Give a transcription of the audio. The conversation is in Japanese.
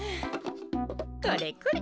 これこれ。